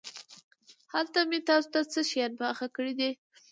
هلته مې تاسو ته څه شيان پاخه کړي دي.